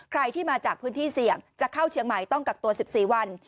ใครที่มาจากพื้นที่เสี่ยงจะเข้าเชียงใหม่ต้องกักตัว๑๔วัน